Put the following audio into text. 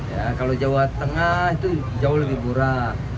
ya kalau jawa tengah itu jauh lebih murah